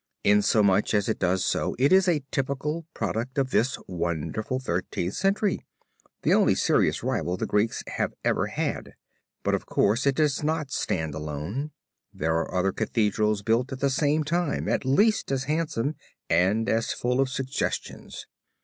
Inasmuch as it does so it is a typical product of this wonderful Thirteenth Century, the only serious rival the Greeks have ever had. But of course it does not stand alone. There are other Cathedrals built at the same time at least as handsome and as full of suggestions.